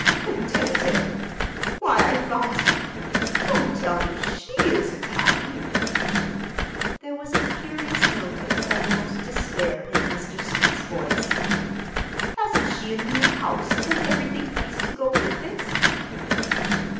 "Contented! Why, I thought—Don't tell me she isn't happy!" There was a curious note of almost despair in Mr. Smith's voice. "Hasn't she a new house, and everything nice to go with it?"